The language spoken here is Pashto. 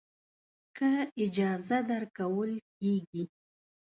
که اجازه درکول کېږي.